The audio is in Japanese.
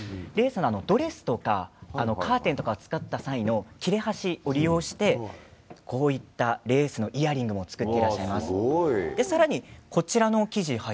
ドレスとかカーテンを作った際の切れ端を利用してこういったレースのイヤリングも作っています。